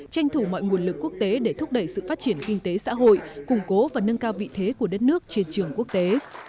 tranh thủ mọi nguồn lực quốc tế để thúc đẩy sự phát triển kinh tế xã hội củng cố và nâng cao vị thế của đất nước trên trường quốc tế